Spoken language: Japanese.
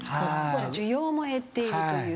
じゃあ需要も減っているという。